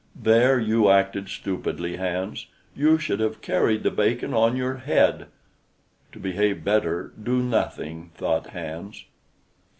"There you acted stupidly, Hans; you should have carried the bacon on your head." "To behave better, do nothing," thought Hans.